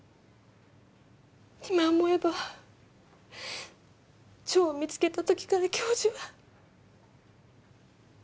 今思えば蝶を見つけた時から教授は。